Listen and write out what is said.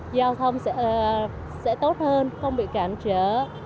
giao thông sẽ tốt hơn không bị cản trở